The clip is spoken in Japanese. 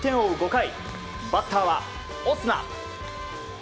５回バッターは、オスナ。